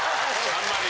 あんまり。